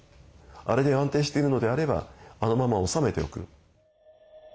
あれで安定しているのであればあのまま治めておく。